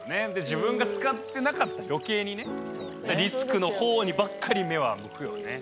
自分が使ってなかったらよけいにねリスクのほうにばっかり目は向くよね。